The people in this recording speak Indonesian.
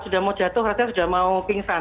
sudah mau jatuh rasanya sudah mau pingsan gitu